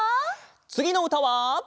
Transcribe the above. つぎのうたは。